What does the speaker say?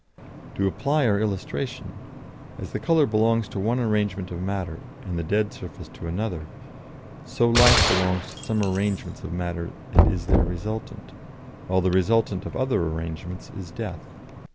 To apply our illustration: as the colour belongs to one arrangement of matter and the dead surface to another, so life belongs to some arrangements of matter and is their resultant, while the resultant of other arrangements is death."